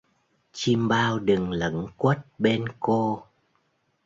Chiêm bao đừng lẩn quất bên cô